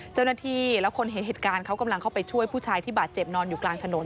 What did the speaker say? เจ้าหน้าที่แล้วคนเห็นเหตุการณ์เขากำลังเข้าไปช่วยผู้ชายที่บาดเจ็บนอนอยู่กลางถนน